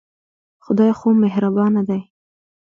خدای خو مهربانه دی.